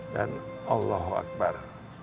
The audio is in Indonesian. dan allah akbar